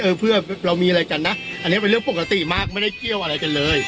เออเพื่อเรามีอะไรกันนะอันนี้เป็นเรื่องปกติมากไม่ได้เกี่ยวอะไรกันเลย